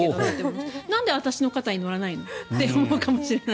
なんで私の肩に乗らないの？って思うかもしれない。